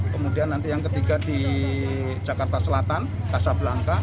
kemudian nanti yang ketiga di jakarta selatan kasab langka